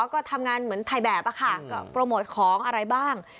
ก็ทำงานเหมือนถ่ายแบบค่ะก็โปรโมทของอะไรบ้าง